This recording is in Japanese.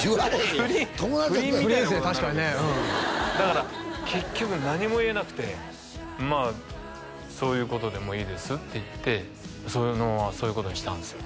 不倫不倫みたいなことになるわけですよだから結局何も言えなくてまあそういうことでもういいですって言ってそういうのはそういうことにしたんですよ